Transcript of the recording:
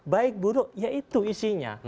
baik buruk ya itu isinya